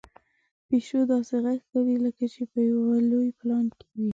پيشو داسې غږ کوي لکه چې په یو لوی پلان کې وي.